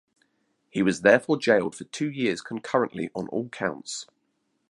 He was therefore jailed for two years concurrently on all counts.